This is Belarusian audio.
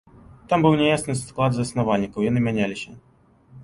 Там быў няясны склад заснавальнікаў, яны мяняліся.